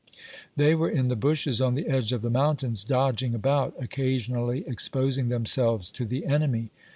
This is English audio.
They were in the bushes on the edge of the mountains, dodging about, occasionally exposing themselves to the enemy.